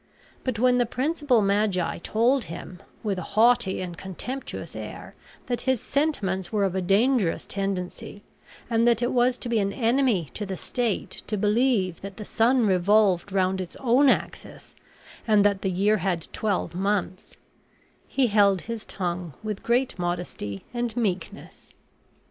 But when the principal magi told him, with a haughty and contemptuous air, that his sentiments were of a dangerous tendency, and that it was to be an enemy to the state to believe that the sun revolved round its own axis, and that the year had twelve months, he held his tongue with great modesty and meekness.